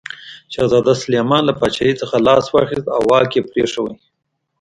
شهزاده سلیمان له پاچاهي څخه لاس واخیست او واک یې پرېښود.